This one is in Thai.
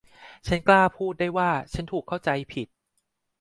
ฉันกล้าพูดได้ว่าฉันถูกเข้าใจผิด